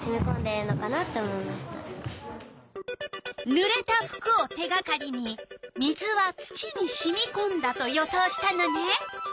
ぬれた服を手がかりに「水は土にしみこんだ」と予想したのね。